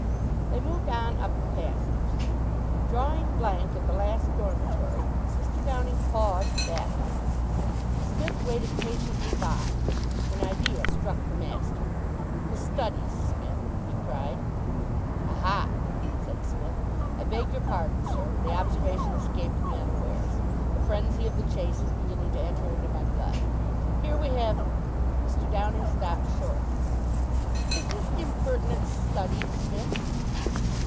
They moved on up the passage. Drawing blank at the last dormitory, Mr. Downing paused, baffled. Psmith waited patiently by. An idea struck the master. "The studies, Smith," he cried. "Aha!" said Psmith. "I beg your pardon, sir. The observation escaped me unawares. The frenzy of the chase is beginning to enter into my blood. Here we have " Mr. Downing stopped short. "Is this impertinence studied, Smith?"